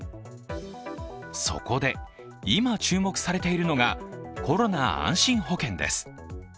そこで今注目されているのがコロナあんしん保険です。